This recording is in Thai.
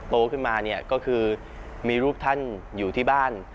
โตขึ้นมาเนี่ยก็คือมีรูปท่านอยู่ที่บ้าน